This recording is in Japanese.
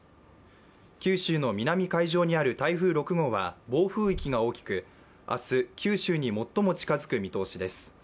九州の南海上にある台風６号は、暴風域が大きく、明日、九州に最も近づく見込みです。